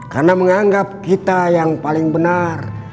karena menganggap kita yang paling benar